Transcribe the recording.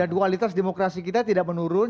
dan dualitas demokrasi kita tidak menurun